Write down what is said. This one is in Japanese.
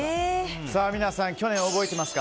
皆さん、去年覚えていますか？